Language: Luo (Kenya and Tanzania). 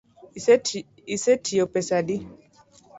Isetiyo pesa adi?